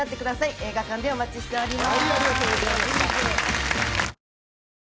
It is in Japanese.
映画館でお待ちしております